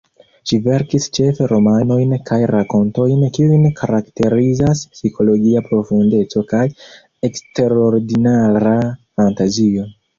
Ŝi verkis ĉefe romanojn kaj rakontojn, kiujn karakterizas psikologia profundeco kaj eksterordinara fantazio.